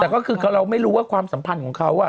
แต่ก็คือเราไม่รู้ว่าความสัมพันธ์ของเขา